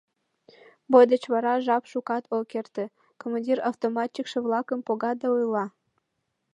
Бой деч вара жап шукат ок эрте, командир автоматчикше-влакым пога да ойла: